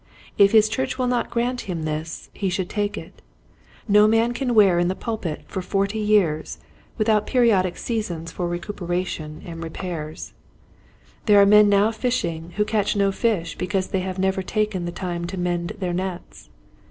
If his church will not grant him this he should take it. No man can wear in the pulpit for forty years without periodic seasons for recuperation 78 Quiet Hints to Growing Preachers. and repairs. There are men now fishing who catch no fish because they have never taken time to mend their nets.